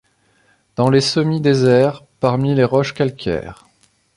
Dans les semi-désert, parmi les roches calcaires.